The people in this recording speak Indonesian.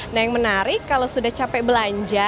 nah yang menarik kalau sudah capek belanja